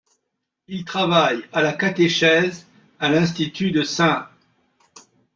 Il travaille à la catéchèse à l'institut de St.